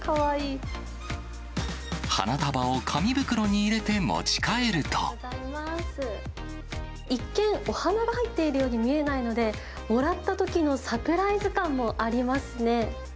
花束を紙袋に入れて持ち帰る一見、お花が入っているように見えないので、もらったときのサプライズ感もありますね。